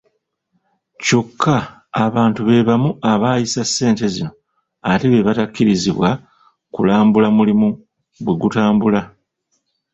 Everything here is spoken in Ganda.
Kyokka abantu bebamu abayisa ssente zino ate bebatakirizibwa kulambula mulimu bwe gutambula.